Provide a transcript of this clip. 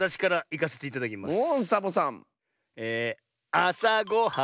「あさごはん